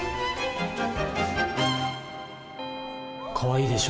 かわいいでしょ？